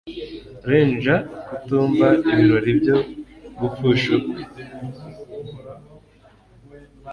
Uruhinja kutumva ibirori byo gupfusha kwe